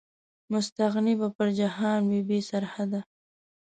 مستغني به پر جهان وي، بې سرحده